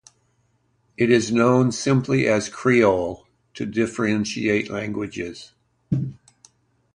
It is known simply as "Creole" to differentiate languages.